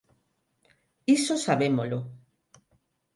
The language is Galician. Iso sabémolo.